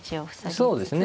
そうですね。